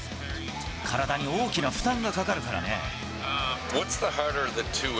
体に大きな負担がかかるからね。